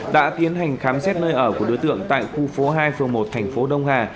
đã tiến hành khám xét nơi ở của đối tượng tại khu phố hai phường một thành phố đông hà